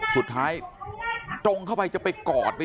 สุดท้ายตรงเข้าไปจะไปกอดไป